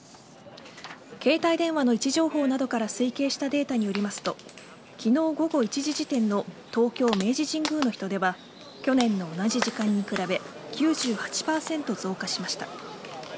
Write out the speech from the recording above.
携帯電話の位置情報などから推計したデータによりますと昨日午後１時時点の東京・明治神宮の人出は去年の同じ時間に比べ９８％増加しました。